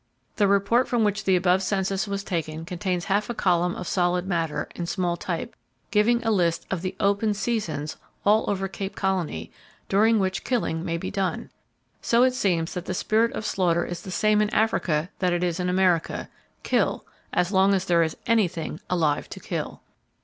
The Report from which the above census was taken contains half a column of solid matter, in small type, giving a list of the open seasons all over Cape Colony, during which killing may be done! So it seems that the spirit of slaughter is the same in Africa that it is in America,—kill, as long as there is anything alive to kill!